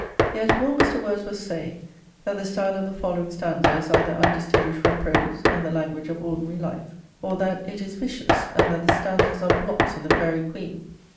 Yet will Mr. Wordsworth say, that the style of the following stanza is either undistinguished from prose, and the language of ordinary life? Or that it is vicious, and that the stanzas are blots in THE FAERY QUEEN?